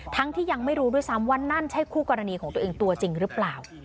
ที่ยังไม่รู้ด้วยซ้ำว่านั่นใช่คู่กรณีของตัวเองตัวจริงหรือเปล่า